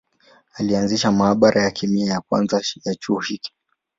Alianzisha maabara ya kemia ya kwanza ya chuo hiki.